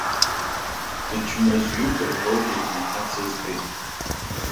Дычмазаҩуп рҳәогьы ҳмаҳацызтеи?!